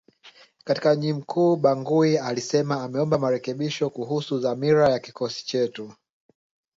katika mji mkuu Bangui alisema ameomba marekebisho kuhusu dhamira ya kikosi chetu